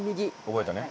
覚えたね。